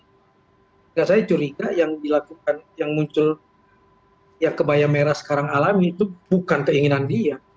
tidak saya curiga yang dilakukan yang muncul yang kebaya merah sekarang alami itu bukan keinginan dia